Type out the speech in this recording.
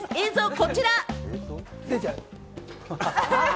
こちらで。